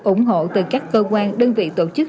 ủng hộ từ các cơ quan đơn vị tổ chức